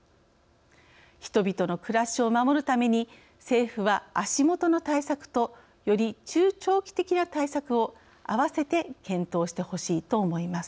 人々の暮らしを守るために政府は足元の対策とより中長期的な対策を併せて検討してほしいと思います。